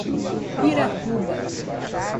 Piratuba